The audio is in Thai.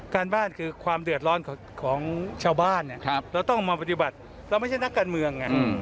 การบ้านคือความเดือดร้อนของชาวบ้านเราต้องมาปฏิบัติเราไม่ใช่นักการเมือง